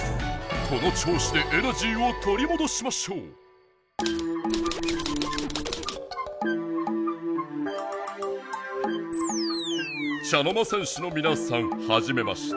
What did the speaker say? このちょうしでエナジーをとりもどしましょう茶の間戦士のみなさんはじめまして。